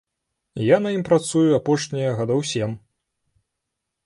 Я на ім працую апошнія гадоў сем.